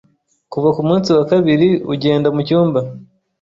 Kuva kumunsi wa kabiri ugenda mucyumba